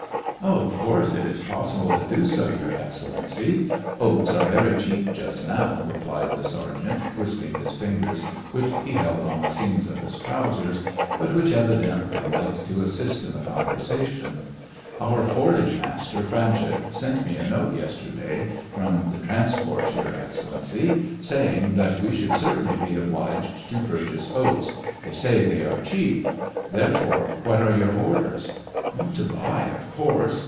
"Of course, it is possible to do so, Your Ex cellency! Oats are very cheap just now," replied the sergeant, twitching his fingers, which he held on the seams of his trousers, but which evidently liked to assist in the conversation. Our forage master, Franchuk, sent me a note yesterday, from the transports. Your Excellency, saying that we should certainly be obliged to pur chase oats ; they say they are cheap. Therefore, what are your orders }" "To buy, of course.